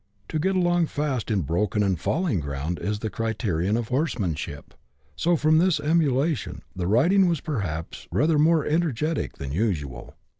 To get along fast in broken and falling ground is the criterion of horsemanship ; so, from this emulation, the riding was perhaps rather more energetic than usual.